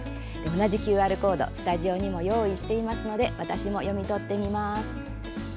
同じＱＲコードスタジオにも用意していますので私も読み取ってみます。